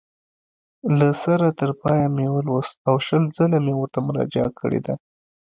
له سره تر پایه مې ولوست او شل ځله مې ورته مراجعه کړې ده.